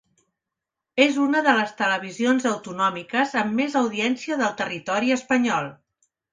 És una de les televisions autonòmiques amb més audiència del territori espanyol.